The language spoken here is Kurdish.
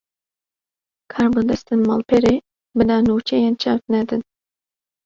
Karbidestên malperê, bila nûçeyên çewt nedin